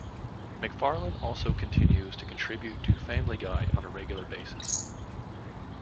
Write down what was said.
MacFarlane also continues to contribute to "Family Guy", on a regular basis.